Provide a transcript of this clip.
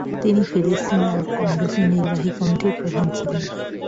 তিনি ফিলিস্তিন আরব কংগ্রেসের নির্বাহী কমিটির প্রধান ছিলেন।